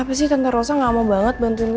pastikan aku jeruk